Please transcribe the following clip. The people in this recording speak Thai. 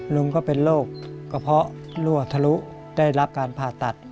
ลุงก็เป็นโรคกระเพาะรั่วทะลุได้รับการผ่าตัด